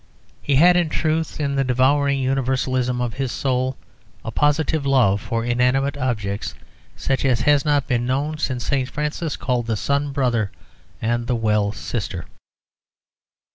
He had, in truth, in the devouring universalism of his soul, a positive love for inanimate objects such as has not been known since St. Francis called the sun brother and the well sister.